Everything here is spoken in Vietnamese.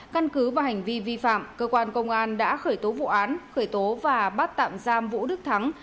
căn cứ và hành vi vi phạm cơ quan công an đã khởi tố vụ án khởi tố và bắt tạm giam vũ đức thắng